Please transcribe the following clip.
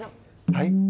はい？